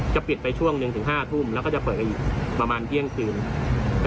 จะปิดไปช่วง๑๕ทุ่มแล้วก็จะเปิดกันอีกประมาณเกี่ยงกลางคืน